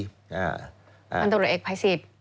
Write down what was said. พันธุรกิจภัยสิทธิ์